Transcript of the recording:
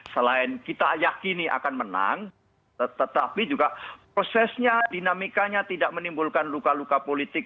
selain kita yakini akan menang tetapi juga prosesnya dinamikanya tidak menimbulkan luka luka politik